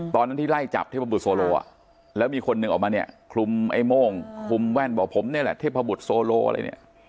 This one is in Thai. ตอนที่ไล่จับเทพบุตรโซโลอ่ะแล้วมีคนหนึ่งออกมาเนี่ยคลุมไอ้โม่งคลุมแว่นบอกผมนี่แหละเทพบุตรโซโลอะไรเนี่ย